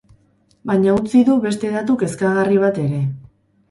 Baina utzi du beste datu kezkagarri bat ere.